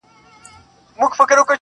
چي له تا مخ واړوي تا وویني